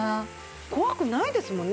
怖くないですもんね。